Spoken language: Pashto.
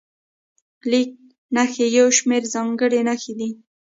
لیک نښې یو شمېر ځانګړې نښې دي.